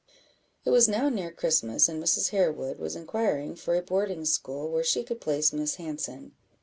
It was now near Christmas, and Mrs. Harewood was inquiring for a boarding school where she could place Miss Hanson.